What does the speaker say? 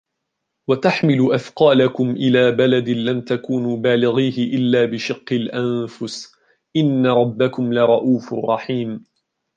وتحمل أثقالكم إلى بلد لم تكونوا بالغيه إلا بشق الأنفس إن ربكم لرءوف رحيم